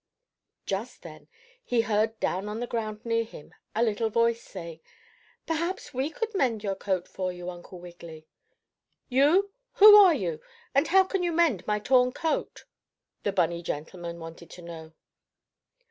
Just then he heard down on the ground near him, a little voice saying: "Perhaps we could mend your coat for you, Uncle Wiggily." "You. Who are you, and how can you mend my torn coat?" the bunny gentleman wanted to know.